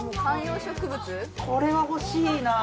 これは欲しいな。